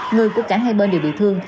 người của cả hai bên đều bị thương